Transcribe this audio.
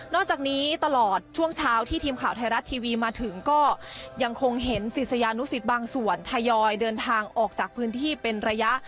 จากนี้ตลอดช่วงเช้าที่ทีมข่าวไทยรัฐทีวีมาถึงก็ยังคงเห็นศิษยานุสิตบางส่วนทยอยเดินทางออกจากพื้นที่เป็นระยะ